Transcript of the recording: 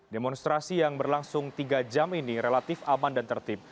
demonstrasi yang berlangsung tiga jam ini relatif aman dan tertib